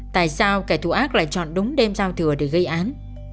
tại sao kẻ thù ác lại chọn đúng đêm giao thừa để gây án